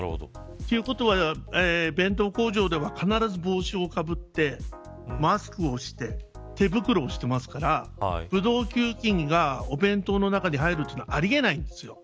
ということは、弁当工場では必ず帽子をかぶってマスクをして手袋をしていますからブドウ球菌がお弁当の中に入るというのは、あり得ないんです。